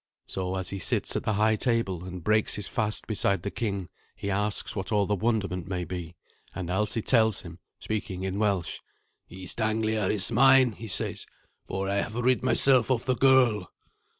So, as he sits at the high table and breaks his fast beside the king, he asks what all the wonderment may be. And Alsi tells him, speaking in Welsh. "East Anglia is mine," he says, "for I have rid myself of the girl."